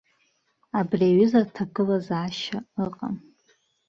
Абри аҩыза аҭагылазаашьа ыҟан.